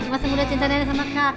masa mudah cinta nenek sama kakek